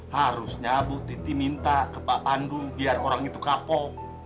harusnya bu titi minta ke pak pandu biar orang itu kapok